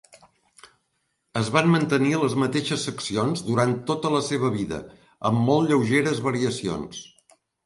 Es van mantenir les mateixes seccions durant tota la seva vida, amb molt lleugeres variacions.